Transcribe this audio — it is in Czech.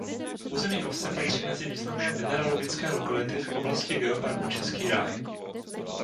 Území obce patří mezi významné mineralogické lokality v oblasti Geoparku Český ráj.